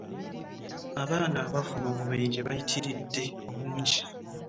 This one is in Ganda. Abantu abafuna obubenje bayitiride obungi.